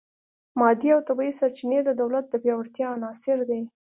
مادي او طبیعي سرچینې د دولت د پیاوړتیا عناصر دي